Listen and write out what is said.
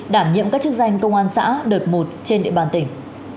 đảm nhiệm các chức danh công an xã đợt một trên địa bàn tỉnh